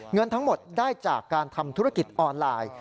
เงินทั้งหมดได้จากการทำธุรกิจออนไลน์